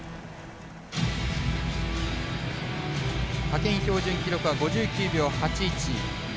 派遣標準記録は５９秒８１。